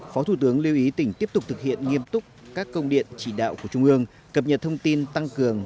phó thủ tướng lưu ý tỉnh tiếp tục thực hiện nghiêm túc các công điện chỉ đạo của trung ương cập nhật thông tin tăng cường